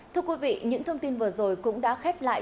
thưa quý vị những thông tin vừa rồi cũng đã khép lại